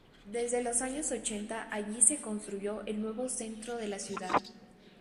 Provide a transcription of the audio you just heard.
Desde los años ochenta allí se construyó el nuevo centro de la ciudad.